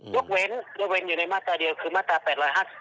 ยกเว้นยกเว้นอยู่ในมาตราเดียวคือมาตรา๘๕